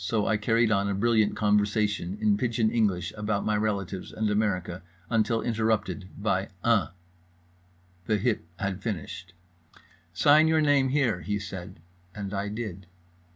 —so I carried on a brilliant conversation in pidgeon English about my relatives and America until interrupted by "Uh." The hip had finished. "Sign your name, here," he said, and I did.